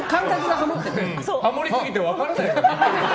ハモりすぎて分からないよ。